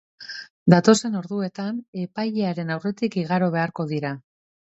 Datozen orduetan epailaren aurretik igaro beharko dira.